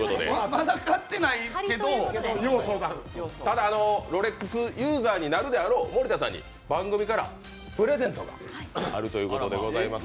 まだ買ってないけどただ、ロレックスユーザーになるであろう森田さんに番組からプレゼントがあるということでございます。